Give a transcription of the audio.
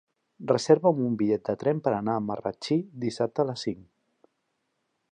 Reserva'm un bitllet de tren per anar a Marratxí dissabte a les cinc.